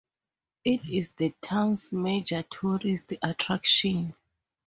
It is the town's major tourist attraction.